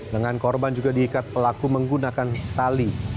dengan korban juga diikat pelaku menggunakan tali